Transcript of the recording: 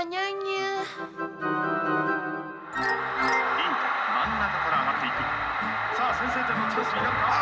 aduh aduh aduh aduh aduh